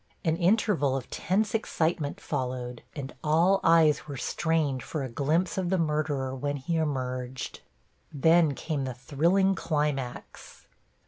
An interval of tense excitement followed, and all eyes were strained for a glimpse of the murderer when he emerged. Then came the thrilling climax.